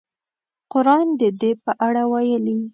قران د دې په اړه ویلي.